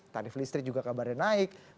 tarif listrik juga kabarnya naik